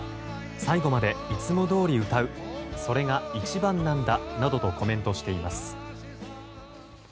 最後までいつもどおり歌うそれが一番なんだなどとコメントしています。